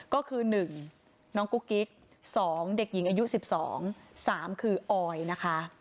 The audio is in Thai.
ก็คือหนึ่งน้องกุ๊กิกสองเด็กหญิงอายุซิบสองสามคือออยนะคะ